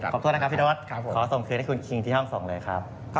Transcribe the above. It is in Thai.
ขอโทษนะครับพี่โน๊ตขอส่งคืนให้คุณคิงที่ห้องส่งเลยครับ